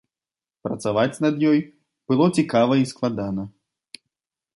Працаваць над ёй было цікава і складана.